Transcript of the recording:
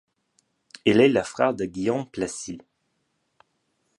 Il est le frère de Guillaume Plessis.